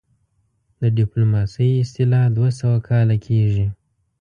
د ډيپلوماسۍ اصطلاح دوه سوه کاله کيږي